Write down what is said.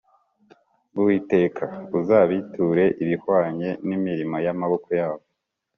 Uwiteka, Uzabiture ibihwanye n’imirimo y’amaboko yabo!